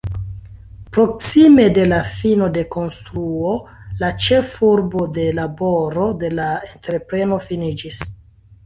Proksime de la fino de konstruo, la ĉefurbo de laboro de la entrepreno finiĝis.